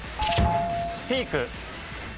ピーク。